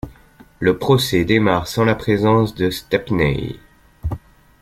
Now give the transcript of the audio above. Le procès démarre sans la présence de Stepney.